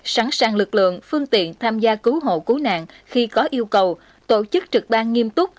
sẵn sàng lực lượng phương tiện tham gia cứu hộ cứu nạn khi có yêu cầu tổ chức trực ban nghiêm túc